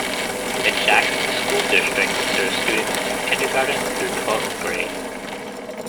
The Jackson School District serves students in kindergarten through twelfth grade.